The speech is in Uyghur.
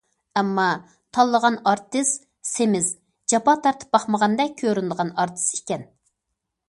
ئەمما تاللىغان ئارتىس سېمىز، جاپا تارتىپ باقمىغاندەك كۆرۈنىدىغان ئارتىس ئىكەن.